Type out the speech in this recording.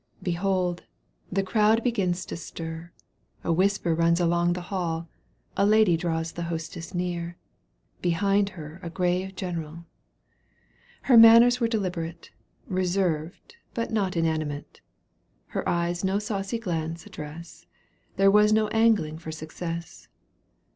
Behold, the crowd begins to stir, A whisper runs along the hall, A lady draws the hostess near, Behind her a grave general. Her manners were deliberate, Reserved, but not inanimate, ! Her eyes no saucy glance address. There was no angling for success.